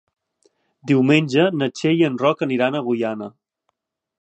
Diumenge na Txell i en Roc aniran a Agullana.